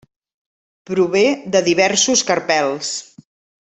Prové de diversos carpels.